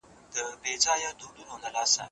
خپلي پيسې مو صرف په مولدو او توليدي برخو کي ولګوئ.